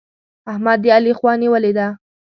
احمد د علي خوا نيولې ده.